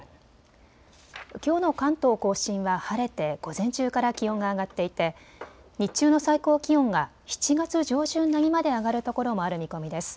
きょうの関東甲信は晴れて午前中から気温が上がっていて日中の最高気温が７月上旬並みまで上がるところもある見込みです。